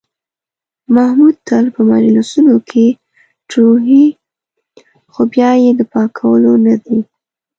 محمود تل په مجلسونو کې ټروهي، خو بیا یې د پاکولو نه دي.